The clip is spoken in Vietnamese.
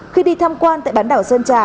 khi đi thăm quan tại bán đảo sơn trà